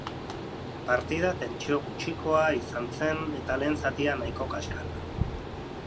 Partida tentsio gutxikoa izan zen eta lehen zatia nahiko kaskarra.